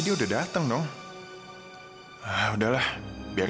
siapa yang utang atik